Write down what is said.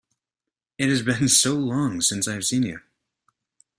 It has been so long since I have seen you!